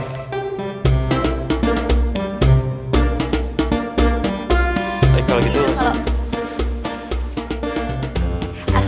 eh kalau gitu ustazah